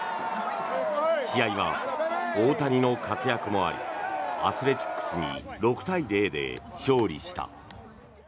試合は大谷の活躍もありアスレチックスに６対０で勝利した。